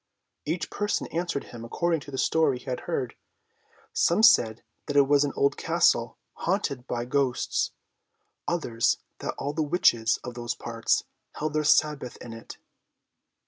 Each person answered him according to the story he had heard. Some said that it was an old castle, haunted by ghosts. Others, that all the witches of those parts held their Sabbath in it.